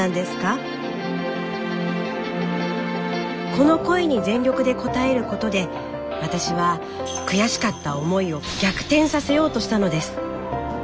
この声に全力で応えることで私は悔しかった思いを逆転させようとしたのです。